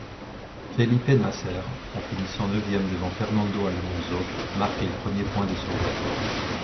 Felipe Nasr, en finissant neuvième devant Fernando Alonso, marque les premiers points de Sauber.